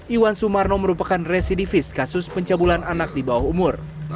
iwan sumarno merupakan residivis kasus pencabulan anak di bawah umur